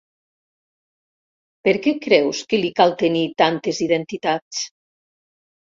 Per què creus que li cal tenir tantes identitats?